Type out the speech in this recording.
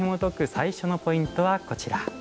最初のポイントはこちら。